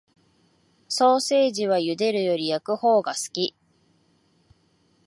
ソーセージは茹でるより焼くほうが好き